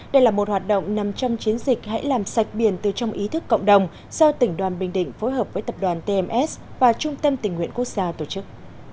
đây là một hoạt động nằm trong chiến dịch hãy làm sạch biển từ trong ý thức cộng đồng do tỉnh đoàn bình định phối hợp với tập đoàn tms và trung tâm tình nguyện quốc gia tổ chức